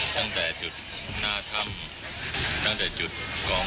ตั้งแต่จุดหน้าถ้ำตั้งแต่จุดกอง